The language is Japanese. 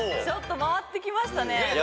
回ってきましたね。